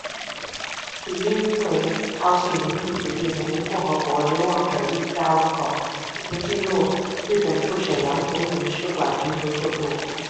起因为朝鲜民主主义人民共和国流亡者一家五口试图进入日本驻沈阳总领事馆寻求救助。